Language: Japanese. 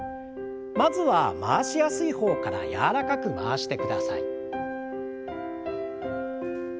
まずは回しやすい方から柔らかく回してください。